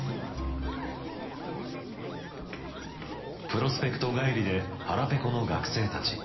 プロスペクト帰りで腹ペコの学生たち。